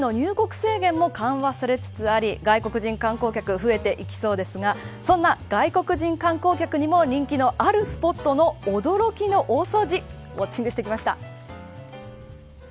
日本への入国制限も緩和されつつあり外国人観光客が増えていきそうですがそんな外国人観光客にも人気のあるスポットの驚きの大掃除ウ